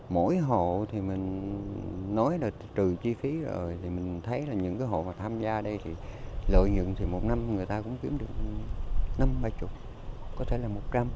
mỗi hộ thì mình nói là trừ chi phí rồi thì mình thấy là những cái hộ mà tham gia đây thì lợi nhuận thì một năm người ta cũng kiếm được năm ba mươi có thể là một trăm linh